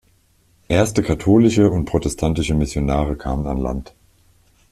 Erste katholische und protestantische Missionare kamen an Land.